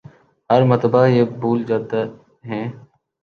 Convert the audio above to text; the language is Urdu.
ہر مرتبہ یہ بھول جاتے ہیں